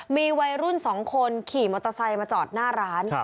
มีวัยรุ่นสองคนขี่หมอต้าไซส์มาจอดหน้าร้าน